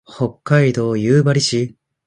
北海道夕張市